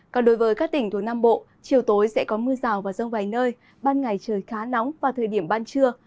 còn đối với các tỉnh thuộc nam bộ chiều tối sẽ có mưa rào và rông vài nơi ban ngày trời khá nóng vào thời điểm ban trưa